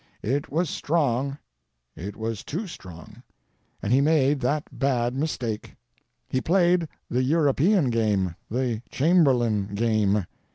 It was strong; it was too strong, and he made that bad mistake: he played the European game, the Chamberlain game.